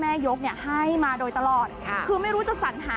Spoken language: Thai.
อืมรวมถึงปีนี้เนี้ยมีสิ่งดี